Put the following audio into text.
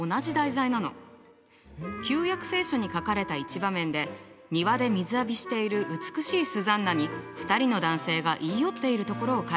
「旧約聖書」に書かれた一場面で庭で水浴びしている美しいスザンナに２人の男性が言い寄っているところを描いているのよ。